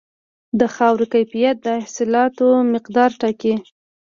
د خاورې کیفیت د حاصلاتو مقدار ټاکي.